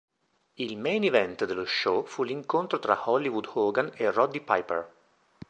Il main event dello show fu l'incontro tra Hollywood Hogan e Roddy Piper.